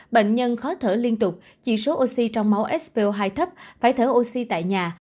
bệnh nhân khó thở liên tục chỉ số oxy trong máu so hai thấp phải thở oxy tại nhà